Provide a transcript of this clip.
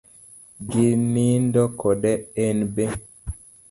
Ginindo kode en be